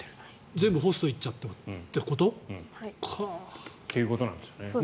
全部ホストに行っちゃってるってこと？ということなんですね。